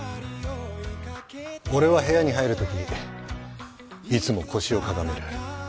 俺は部屋に入る時いつも腰をかがめる。